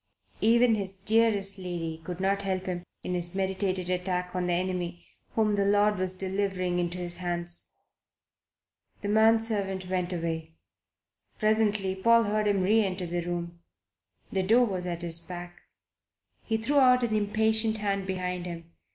Even his dearest lady could not help him in his meditated attack on the enemy whom the Lord was delivering into his hands. The man servant went away. Presently Paul heard him reenter the room; the door was at his back. He threw out an impatient hand behind him.